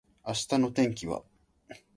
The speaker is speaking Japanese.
明日の天気は？